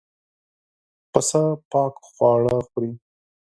پسه پاک خواړه خوري.